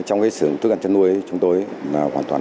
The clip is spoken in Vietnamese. ông nguyễn trọng long giám đốc hợp tác xã hoàng long